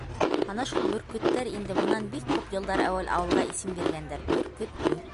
Ана шул бөркөттәр инде бынан бик күп йылдар әүәл ауылға исем биргәндәр: Бөркөтлө.